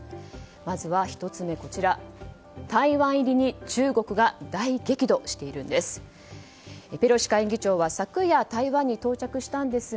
まずは１つ目、台湾入りに中国が大激怒しているんです。